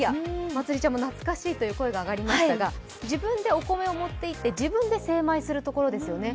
まつりちゃんからもなつかしいという声が上がりましたが自分でお米を持っていって、自分で精米するところですよね。